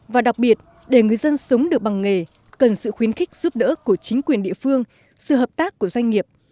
và đặc biệt để người dân sống được bằng nghề cần sự khuyến khích giúp đỡ của chính quyền địa phương sự hợp tác của doanh nghiệp